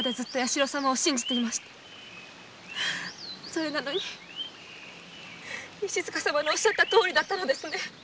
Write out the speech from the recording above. それなのに石塚様の言われたとおりだったのですね。